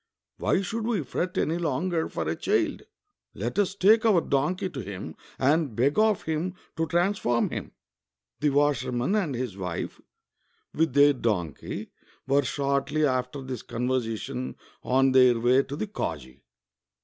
WTiy should we fret any longer for a child? Let us take our donkey to him and beg of him to transform him." The washerman and his wife, with their donkey, were shortly after this conversation on their way to the kazi.